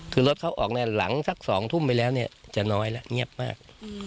คือรถเขาออกเนี่ยหลังสัก๒ทุ่มไปแล้วเนี่ยจะน้อยแล้วเงียบมาก